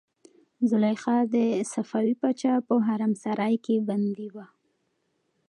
زلیخا د صفوي پاچا په حرمسرای کې بندي وه.